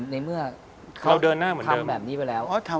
ในเมื่อเขาทำแบบนี้ไปแล้วทางนี้เดินหน้าเหมือนเดิม